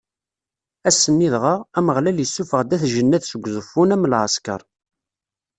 Ass-nni dɣa, Ameɣlal issufeɣ-d At Jennad seg Uẓeffun, am lɛeskeṛ.